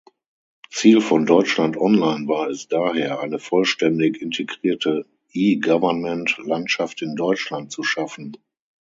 Ziel von Deutschland-Online war es daher, eine vollständig integrierte E-Government-Landschaft in Deutschland zu schaffen.